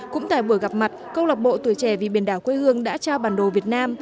cũng tại buổi gặp mặt câu lạc bộ tuổi trẻ vì biển đảo quê hương đã trao bản đồ việt nam